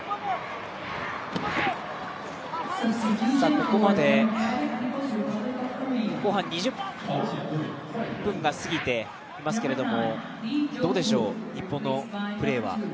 ここまで後半２０分が過ぎてますけれども、どうでしょう、日本のプレーは。